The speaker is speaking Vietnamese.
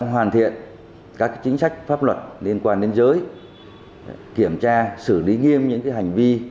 hoàn thiện các chính sách pháp luật liên quan đến giới kiểm tra xử lý nghiêm những hành vi